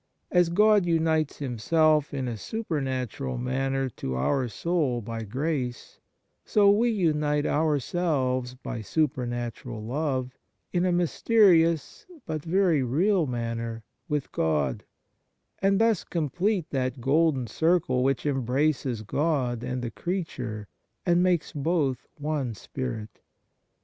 As God unites Himself in a supernatural manner to our soul by grace, so we unite ourselves by supernatural love in a mysterious but very real manner with God, and thus complete that golden circle which embraces God and the creature and makes both one spirit.